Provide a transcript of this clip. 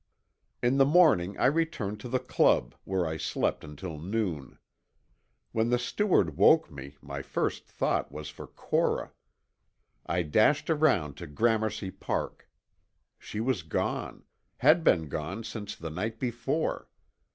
In the morning I returned to the Club, where I slept until noon. When the steward woke me my first thought was for Cora. I dashed around to Gramercy Park. She was gone, had been gone since the night before.